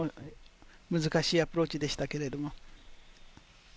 難しいアプローチでしたけれども。